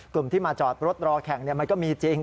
กลุ่มที่มาจอดรถรอแข่งมันก็มีจริง